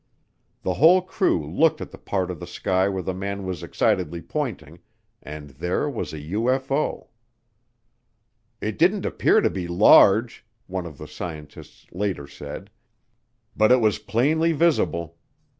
The whole crew looked at the part of the sky where the man was excitedly pointing, and there was a UFO. "It didn't appear to be large," one of the scientists later said, "but it was plainly visible.